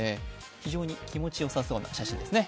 非常に気持ちよさそうな写真ですね。